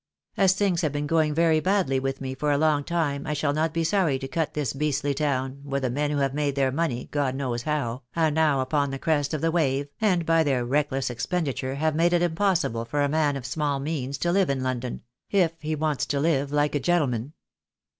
As things have been going very badly with me for a long time I shall not be sorry to cut this beastly town, where the men who have made their money, God knows how, are now upon the crest of the wave, and by their reckless THE DAY WILL COME. I 97 expenditure have made it impossible for a man of small means to live in London — if he wants to live like a gentleman.